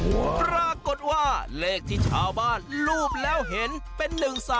ปรากฏว่าเลขที่ชาวบ้านรูปแล้วเห็นเป็น๑๓